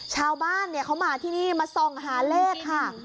ชาวบ้านเขามาที่นี่มาส่องหาเลขค่ะ